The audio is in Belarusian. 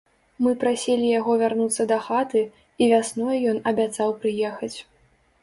Мы прасілі яго вярнуцца дахаты, і вясной ён абяцаў прыехаць.